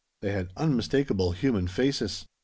They had unmistakable human faces!